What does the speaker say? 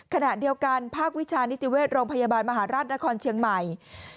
ขณะเดียวกันภาควิชานิติเวชโรงพยาบาลมหาราชนครเชียงใหม่